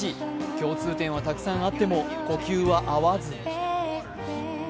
共通点はたくさんあっても呼吸は合わず。